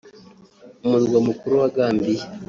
umurwa mukuru wa Gambia